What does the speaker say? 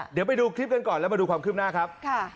เดี๋ยวไปดูคลิปกันก่อนแล้วมาดูความคืบหน้าครับ